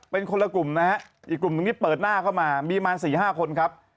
เป็นคนละกลุ่มนะฮะอีกกลุ่มหนึ่งที่เปิดหน้าเข้ามามีมา๔๕คนครับ